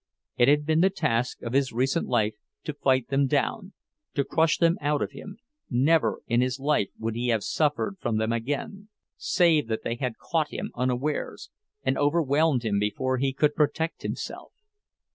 It had been the task of his recent life to fight them down, to crush them out of him; never in his life would he have suffered from them again, save that they had caught him unawares, and overwhelmed him before he could protect himself.